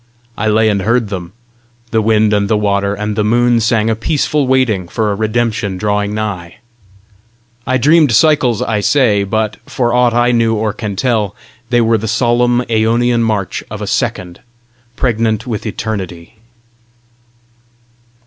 I lay and heard them: the wind and the water and the moon sang a peaceful waiting for a redemption drawing nigh. I dreamed cycles, I say, but, for aught I knew or can tell, they were the solemn, æonian march of a second, pregnant with eternity.